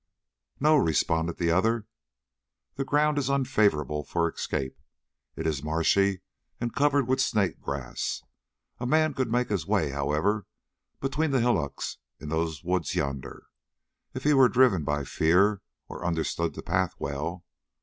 "No," responded the other. "The ground is unfavorable for escape. It is marshy and covered with snake grass. A man could make his way, however, between the hillocks into those woods yonder, if he were driven by fear or understood the path well.